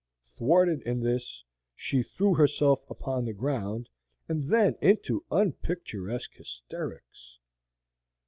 Thwarted in this, she threw herself upon the ground, and then into unpicturesque hysterics.